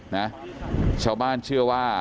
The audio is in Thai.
นะชาวบ้านเชื่อว่า